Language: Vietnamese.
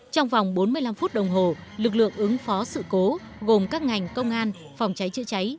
trong vòng bốn mươi năm phút đồng hồ lực lượng ứng phó sự cố gồm các ngành công an phòng cháy chữa cháy